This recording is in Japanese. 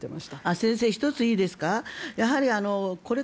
先生、１ついいですか？